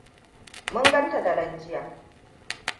Mun gan ta daren jiya.